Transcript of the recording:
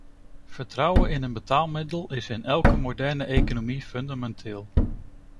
Vertrouwen in een betaalmiddel is in elke moderne economie fundamenteel.